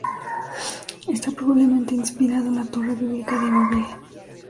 Está probablemente inspirado en la Torre bíblica de Babel.